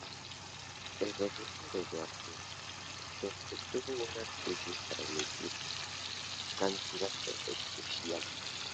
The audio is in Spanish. El gobierno de Duarte Frutos tuvo una crisis para elegir candidato presidencial.